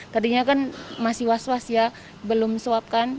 tadinya kan masih was was ya belum suap kan